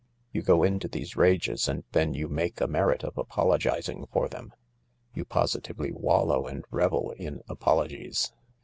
You go into these rages and then you make a merit of apologising for them. You posi tively wallow and revel in apologies."